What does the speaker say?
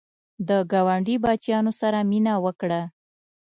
د ګاونډي بچیانو سره مینه وکړه